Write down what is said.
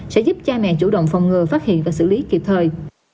sẽ giúp cha mẹ chủ động phòng ngừa phát hiện và xử lý kịp thời